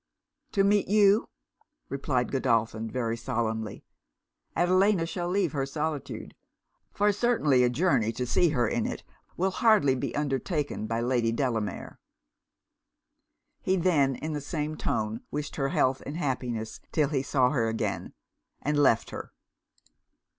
'To meet you,' replied Godolphin, very solemnly, 'Adelina shall leave her solitude; for certainly a journey to see her in it will hardly be undertaken by Lady Delamere.' He then in the same tone wished her health and happiness till he saw her again, and left her.